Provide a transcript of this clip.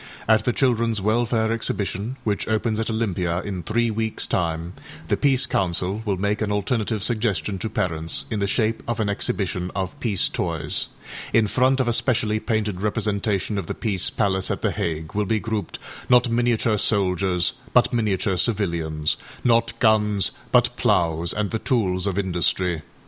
At the Childrenâs Welfare Exhibition, which opens at Olympia in three weeksâ time, the Peace Council will make an alternative suggestion to parents in the shape of an exhibition of âpeace toys.â In front of a specially painted representation of the Peace Palace at The Hague will be grouped, not miniature soldiers but miniature civilians, not guns but ploughs and the tools of industry